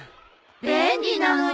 便利なのに。